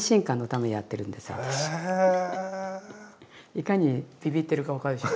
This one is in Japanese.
いかにビビってるか分かるでしょ。